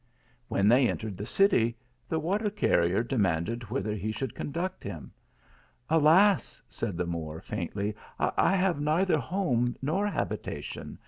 When they entered the city, the water carrier de manded whither he should conduct him. " Alas !" said the Moor, faintly, " I have neither home nor habitation.